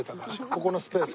ここのスペース。